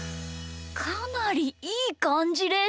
かなりいいかんじです！